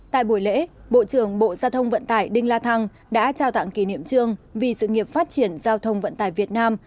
tại buổi lễ bộ trưởng bộ giao thông vận tải đinh la thăng đã trao tặng kỷ niệm trương vì sự nghiệp phát triển giao thông vận tải việt nam